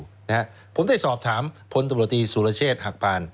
เพราะผมได้สอบถามพตรรสูรเชษ์หัคพรรณ